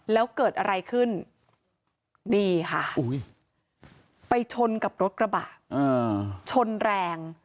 แล้วเกิดอะไรขึ้นนี่ค่ะไปชนกับรถกระบะชนแรง